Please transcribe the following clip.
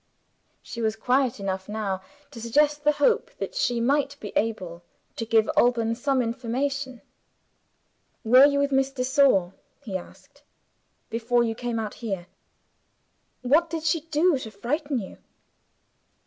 She was quiet enough now, to suggest the hope that she might be able to give Alban some information "Were you with Miss de Sor," he asked, "before you came out here? What did she do to frighten you?"